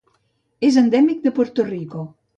És endèmic de Puerto Rico.